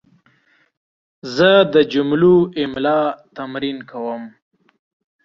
زه د جملو املا تمرین کوم.